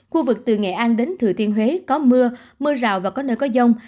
khu vực từ nghệ an đến thừa thiên huế có mưa mưa rào và có nơi có rông